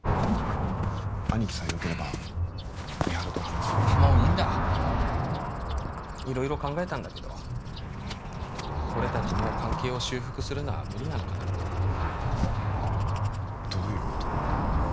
兄貴さえよければ美晴と話せるように俺がもういいんだ色々考えたんだけど俺達もう関係を修復するのは無理なのかなってどういうこと？